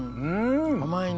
甘いね。